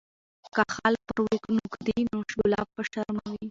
که خال پر وینو کښېږدي، نو ګلاب وشرموي.